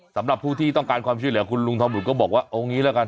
สำหรับผู้ที่ต้องการความช่วยเหลือคุณลุงทองบุตรก็บอกว่าเอางี้แล้วกัน